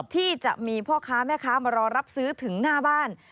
ที่จะมีพ่อค้าแม่ค้ามารอรับซื้อถึงหน้าบ้าน